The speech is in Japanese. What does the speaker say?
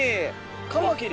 カマキリ。